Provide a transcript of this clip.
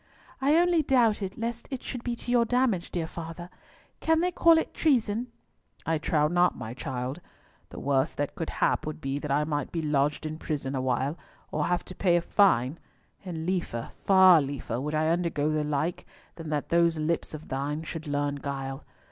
"I only doubted, lest it should be to your damage, dear father. Can they call it treason?" "I trow not, my child. The worst that could hap would be that I might be lodged in prison a while, or have to pay a fine; and liefer, far liefer, would I undergo the like than that those lips of thine should learn guile.